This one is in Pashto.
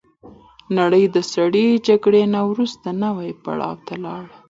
نړۍ د سړې جګړې نه وروسته نوي پړاو ته لاړه.